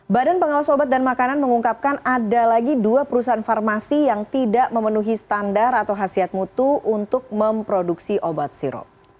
badan pengawas obat dan makanan mengungkapkan ada lagi dua perusahaan farmasi yang tidak memenuhi standar atau khasiat mutu untuk memproduksi obat sirup